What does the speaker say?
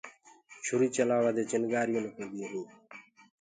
چوري چلآوآ دي چِڻگينٚ نِڪݪديونٚ هينٚ۔